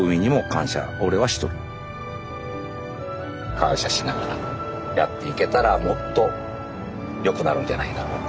感謝しながらやっていけたらもっとよくなるんじゃないだろうか。